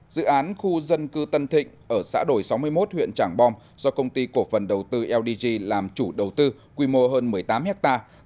dự án khu dân cư tân thịnh ở xã đổi sáu mươi một huyện trảng bom do công ty cổ phần đầu tư ldg làm chủ đầu tư quy mô hơn một mươi tám hectare